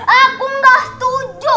aku gak setuju